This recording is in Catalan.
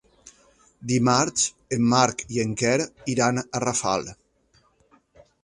Dimarts en Marc i en Quer iran a Rafal.